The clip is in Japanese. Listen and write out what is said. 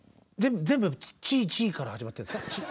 全部「ちい」「ちい」から始まってるんですか？